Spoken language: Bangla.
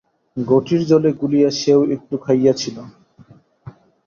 ঘটীর জলে গুলিয়া সেও একটু খাইয়াছিল।